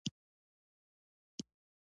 د غوږ د درد لپاره د کوم شي تېل وکاروم؟